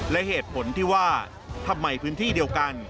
และเหตุผลที่ว่าทำไมพื้นที่เดียวกัน